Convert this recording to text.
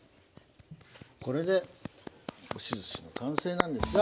これで押しずしの完成なんですが。